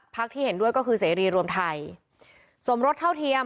ที่เห็นด้วยก็คือเสรีรวมไทยสมรสเท่าเทียม